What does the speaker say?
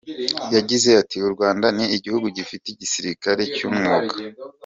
Yagize ati “U Rwanda ni igihugu gifite igisirikare cy’umwuga.